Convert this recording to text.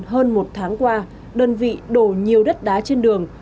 hơn một tháng qua đơn vị đổ nhiều đất đá trên đường